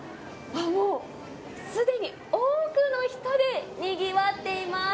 もうすでに多くの人でにぎわっています。